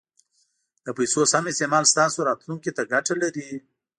د پیسو سم استعمال ستاسو راتلونکي ته ګټه لري.